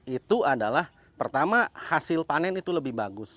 itu adalah pertama hasil panen itu lebih bagus